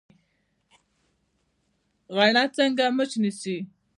غڼه څنګه مچ نیسي؟